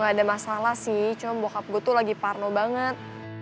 gak ada masalah sih cuma bokap gue tuh lagi parno banget